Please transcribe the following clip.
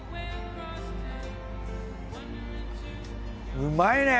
うまいね！